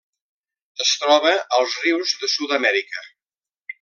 Es troba als rius de Sud-amèrica.